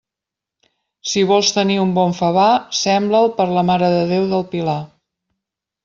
Si vols tenir un bon favar, sembra'l per la Mare de Déu del Pilar.